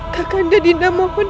kakanda dinda mohon